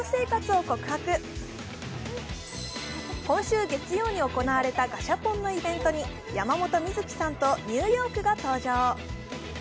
今週月曜に行われたガシャポンのイベントに山本美月さんとニューヨークが登場。